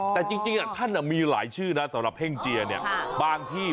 แต่จริงท่านมีหลายชื่อนะสำหรับเฮ่งเจียเนี่ยบางที่